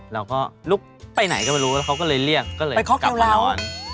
เราก็ลุกไปไหนก็ไม่รู้แล้วเค้าก็เรียกก็เลยกลับไปนอน